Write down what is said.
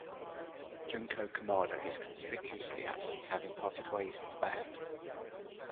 Junko Kamada is conspicuously absent, having parted ways with the band.